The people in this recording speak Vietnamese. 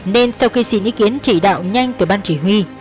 nên sau khi xin ý kiến chỉ đạo nhanh từ ban chỉ huy